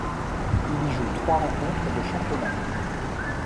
Il y joue trois rencontres de championnat.